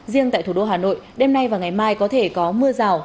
riêng tại thủ đô hà nội đêm nay và ngày mai có thể có mưa rào